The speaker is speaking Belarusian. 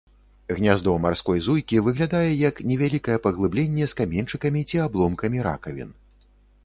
Гняздо марской зуйкі выглядае як невялікае паглыбленне з каменьчыкамі ці абломкамі ракавін.